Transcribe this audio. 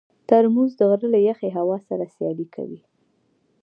ترموز د غره له یخې هوا سره سیالي کوي.